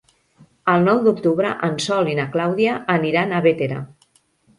El nou d'octubre en Sol i na Clàudia aniran a Bétera.